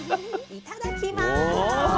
いただきます。